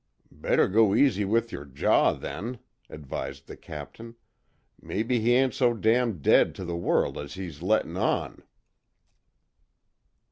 "Better go easy with yer jaw then," advised the Captain, "Mebbe he ain't so damn dead to the world as he's lettin' on."